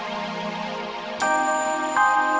tuh lo udah jualan gue